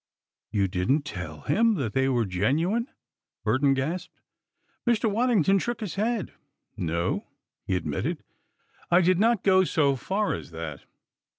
"You didn't tell him that they were genuine!" Burton gasped. Mr. Waddington shook his head. "No," he admitted, "I did not go so far as that.